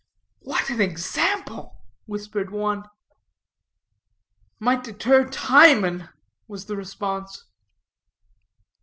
"What an example," whispered one. "Might deter Timon," was the response.